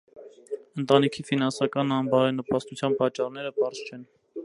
Ընտանիքի ֆինանսական անբարենպաստության պատճառները պարզ չեն։